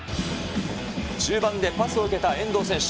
中盤でパスを受けた遠藤選手。